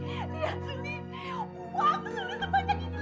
suli lihat suli uang suli sebanyak ini